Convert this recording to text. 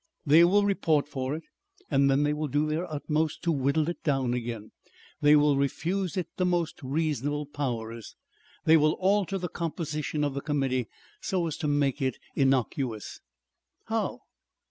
They will report for it and then they will do their utmost to whittle it down again. They will refuse it the most reasonable powers. They will alter the composition of the Committee so as to make it innocuous." "How?"